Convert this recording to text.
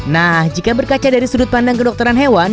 nah jika berkaca dari sudut pandang kedokteran hewan